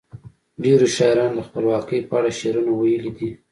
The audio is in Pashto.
ډیرو شاعرانو د خپلواکۍ په اړه شعرونه ویلي دي.